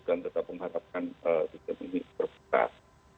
dan tetap mengharapkan sistem ini berputar